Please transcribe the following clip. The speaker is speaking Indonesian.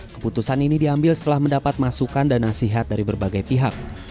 keputusan ini diambil setelah mendapat masukan dan nasihat dari berbagai pihak